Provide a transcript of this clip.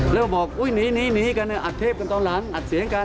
แล้วก็บอกหนีกันอัดเทปกันตอนหลังอัดเสียงกัน